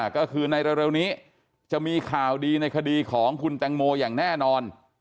ก็คือในเร็วนี้จะมีข่าวดีในคดีของคุณแตงโมอย่างแน่นอน